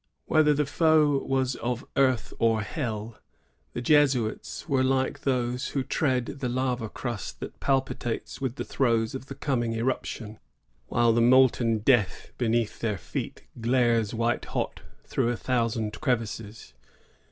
Whether the foe was of earth or hell, the Jesuits were like those who tread the lava crust that palpitates with the throes of the coming eruption, while the molten death beneath their feet glares white hot through a thousand crevices.